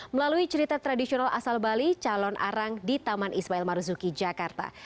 melalui cerita tradisional asal bali calon arang di taman ismail marzuki jakarta